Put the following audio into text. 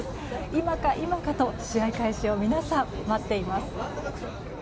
今か今かと試合開始を皆さん待っています。